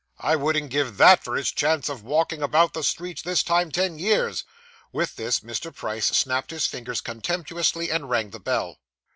I wouldn't give _that _for his chance of walking about the streets this time ten years.' With this, Mr. Price snapped his fingers contemptuously, and rang the bell.